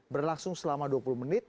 berlangsung selama dua puluh menit